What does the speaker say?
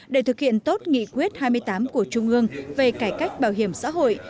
để thực hiện tốt nghị quyết hai mươi tám của trung ương về cải cách bảo hiểm xã hội